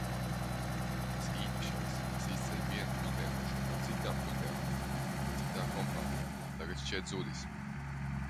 Tas īpašais, kas izceļ vienu pusdienošanu no citām pusdienām citā kompānijā, tagad šķiet zudis.